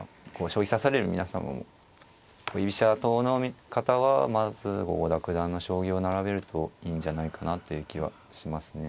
将棋指される皆さんは居飛車党の方はまず郷田九段の将棋を並べるといいんじゃないかなという気はしますね。